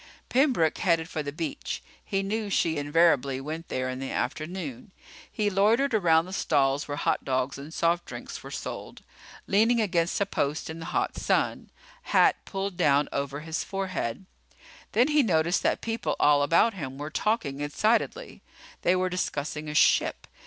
Pembroke headed for the beach. He knew she invariably went there in the afternoon. He loitered around the stalls where hot dogs and soft drinks were sold, leaning against a post in the hot sun, hat pulled down over his forehead. Then he noticed that people all about him were talking excitedly. They were discussing a ship.